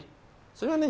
それはね